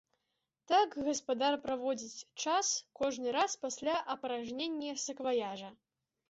Так гаспадар праводзіць час кожны раз пасля апаражнення сакваяжа.